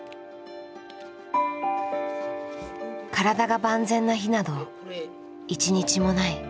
体が万全な日など一日もない。